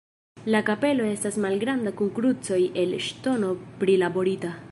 La kapelo estas malgranda kun krucoj el ŝtono prilaborita.